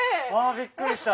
びっくりした！